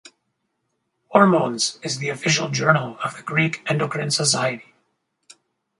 Hormones is the official journal of the Greek Endocrine Society.